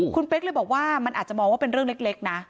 คุณเป๊กเลยบอกว่ามันอาจจะมองว่าเป็นเรื่องเล็กนะ